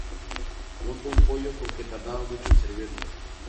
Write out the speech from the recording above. Montó un pollo porque tardaban mucho en servirle